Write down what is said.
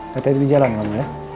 katanya dia di jalan kamu ya